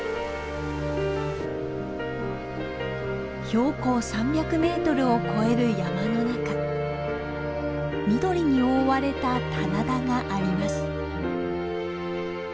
標高３００ｍを超える山の中緑に覆われた棚田があります。